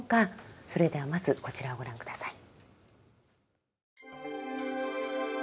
それではまずこちらをご覧下さい。